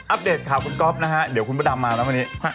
อัปเดตข่าวคุณก๊อฟนะฮะเดี๋ยวคุณปุ๊ดดำมาแล้ววันนี้